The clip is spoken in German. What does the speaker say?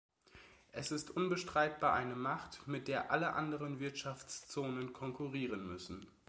Es ist unbestreitbar eine Macht, mit der alle anderen Wirtschaftszonen konkurrieren müssen.